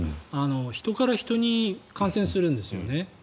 人から人に感染するんですよね。